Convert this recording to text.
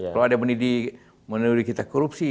kalau ada yang menurut kita korupsi